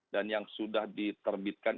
lima puluh satu dan yang sudah diterbitkan